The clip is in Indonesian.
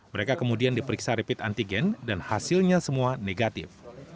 mereka kemudian diperiksa rapid antigen dan hasilnya semua negatif